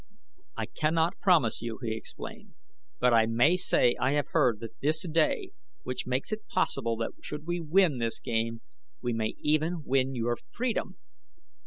"I cannot promise you," he explained, "but I may say I have heard that this day which makes it possible that should we win this game we may even win your freedom!"